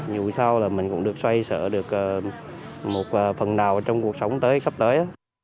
dù sao là mình cũng được xoay sở được một phần nào trong cuộc sống tới sắp tới